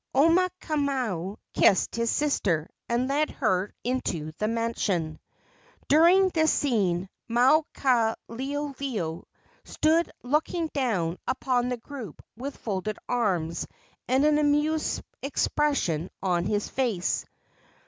Omaukamau kissed his sister, and led her into the mansion. During this scene Maukaleoleo stood looking down upon the group with folded arms and an amused expression upon his face.